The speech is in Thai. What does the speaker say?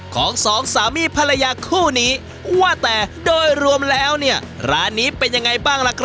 ของสองสามีภรรยาคู่นี้ว่าแต่โดยรวมแล้วเนี่ยร้านนี้เป็นยังไงบ้างล่ะครับ